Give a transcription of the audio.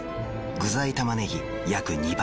具材たまねぎ約２倍。